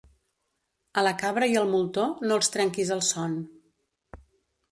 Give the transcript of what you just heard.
A la cabra i al moltó no els trenquis el son.